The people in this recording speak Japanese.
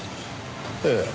ええ。